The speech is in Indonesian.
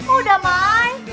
oh udah mai